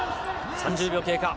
３０秒経過。